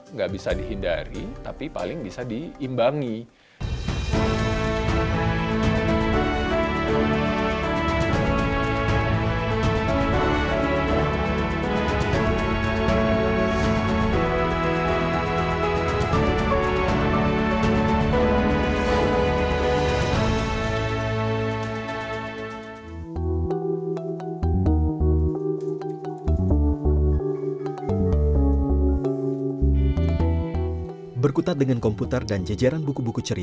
nggak bisa dihindari